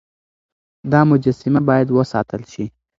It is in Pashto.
دا مجسمه بايد وساتل شي.